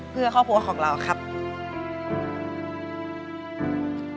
เพื่อครอบครัวของเราครับ